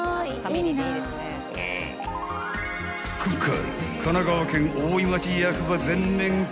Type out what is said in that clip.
［今回］